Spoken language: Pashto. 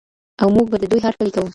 او موږ به د دوی هرکلی کوو.